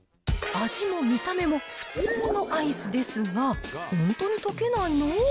味も見た目も普通のアイスですが、本当に溶けないの？